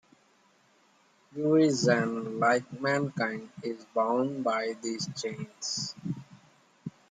Urizen, like mankind, is bound by these chains.